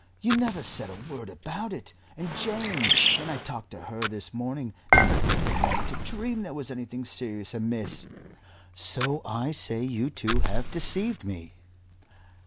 You never said a word about it, and Jane, when I talked to her this morning, never gave me to dream there was anything serious amiss. So I say you two have deceived me."